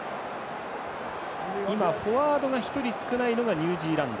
今、フォワードが１人少ないのがニュージーランド。